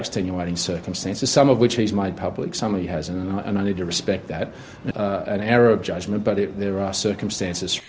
dan itu tidak pantas